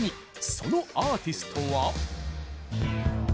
そのアーティストは？